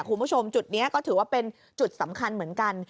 คุณผู้ชมจุดนี้ก็ถือว่าเป็นจุดสำคัญเหมือนกัน